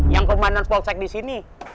yang komandan polsek di sini